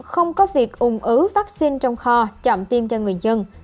không có việc ung ứ vaccine trong kho chậm tiêm cho người dân